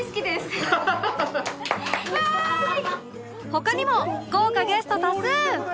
他にも豪華ゲスト多数